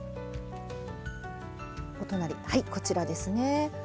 お隣はいこちらですね。